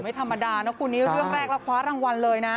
ไม่ธรรมดานะคู่นี้เรื่องแรกแล้วคว้ารางวัลเลยนะ